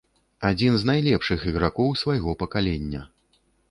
Адзін з найлепшых ігракоў свайго пакалення.